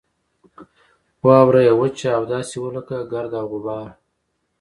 واوره یې وچه او داسې وه لکه ګرد او غبار.